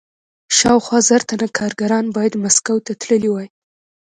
شاوخوا زر تنه کارګران باید مسکو ته تللي وای